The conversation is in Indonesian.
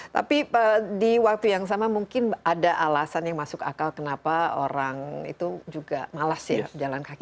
tapi di waktu yang sama mungkin ada alasan yang masuk akal kenapa orang itu juga malas ya jalan kaki